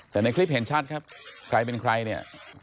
แต่ในคลิปเห็นชัดครับใครเป็นใครเนี่ย